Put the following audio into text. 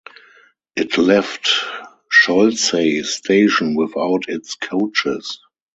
It left Cholsey station without its coaches.